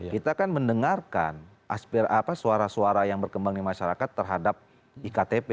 kita kan mendengarkan suara suara yang berkembang di masyarakat terhadap iktp